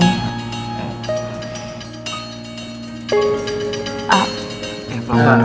sampai jumpa di video selanjutnya